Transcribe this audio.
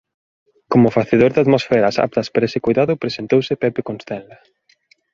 Como facedor de atmosferas aptas para ese coidado presentouse Pepe Constenla.